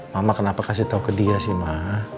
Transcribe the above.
mama kenapa kasih tau ke dia sih ma